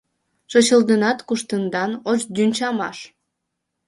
Шочылденат-кушкындан — ош дӱнча маш